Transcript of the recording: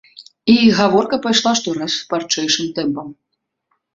І іх гаворка пайшла штораз шпарчэйшым тэмпам.